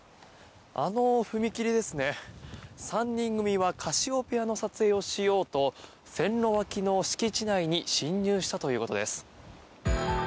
あの踏切ですね、３人組はカシオペアの撮影をしようと線路脇の敷地内に侵入したということです。